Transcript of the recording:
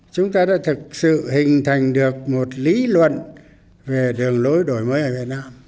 chúng ta đã thực sự hình thành được một lý luận về đường lối đổi mới ở việt nam